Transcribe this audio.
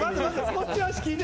こっちの話聞いて。